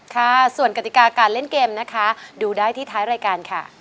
ค่ะส่วนกติกาการเล่นเกมนะคะดูได้ที่ท้ายรายการค่ะ